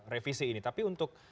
revisi ini tapi untuk